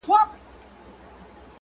په عزت په شرافت باندي پوهېږي.